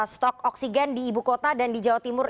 stok oksigen di ibu kota dan di jawa timur